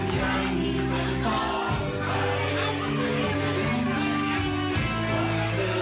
เจอที่จะปลอดภัยไว้ทุกคนก็ถือถั่วใจ